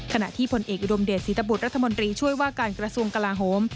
ขณะที่ผลเอกอุดมเดชศรีตบุตรรัฐมนตรีช่วยว่าการกระทรวงกลาโฮม